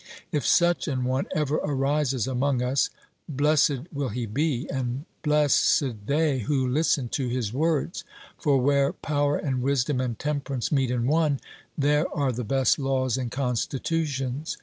If such an one ever arises among us, blessed will he be, and blessed they who listen to his words. For where power and wisdom and temperance meet in one, there are the best laws and constitutions.